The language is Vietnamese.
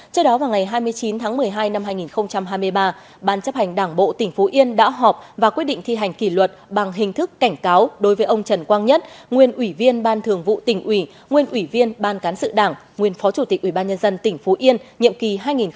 trước đó vào ngày hai mươi chín tháng một mươi hai năm hai nghìn hai mươi ba ban chấp hành đảng bộ tỉnh phú yên đã họp và quyết định thi hành kỷ luật bằng hình thức cảnh cáo đối với ông trần quang nhất nguyên ủy viên ban thường vụ tỉnh ủy nguyên ủy viên ban cán sự đảng nguyên phó chủ tịch ubnd tỉnh phú yên nhiệm kỳ hai nghìn một mươi sáu hai nghìn hai mươi một